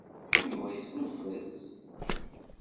Yuba yesnuffes.